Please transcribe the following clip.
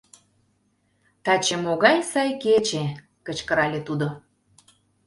Таче могай сай кече! — кычкырале тудо.